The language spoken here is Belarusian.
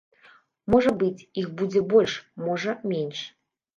Можа быць, іх будзе больш, можа, менш.